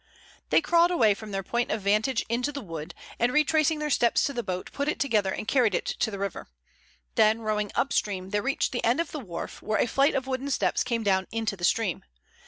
They crawled away from their point of vantage into the wood, and retracing their steps to the boat, put it together and carried it to the river. Then rowing up stream, they reached the end of the wharf, where a flight of wooden steps came down into the stream.